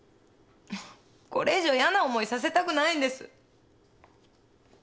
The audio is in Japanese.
これ以上嫌な思いさせたくないんです。